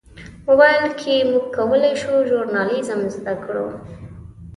موبایل کې موږ کولی شو ژورنالیزم زده کړو.